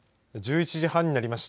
１１時半になりました。